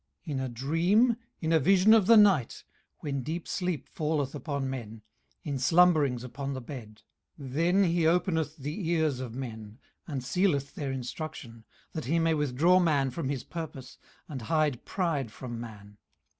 18:033:015 In a dream, in a vision of the night, when deep sleep falleth upon men, in slumberings upon the bed; 18:033:016 Then he openeth the ears of men, and sealeth their instruction, 18:033:017 That he may withdraw man from his purpose, and hide pride from man.